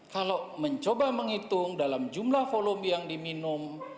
kalau mencoba menghitung dalam jumlah volume yang diminum